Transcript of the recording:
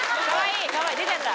かわいい出ちゃった。